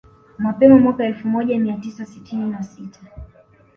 Mapema mwaka elfu moja mia tisa sitini na sita